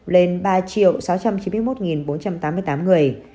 lên ba sáu trăm chín mươi một bốn trăm tám mươi tám người